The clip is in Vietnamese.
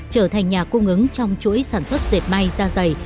trở thành nhà cung ứng trong chuỗi sản xuất diệt may ra giày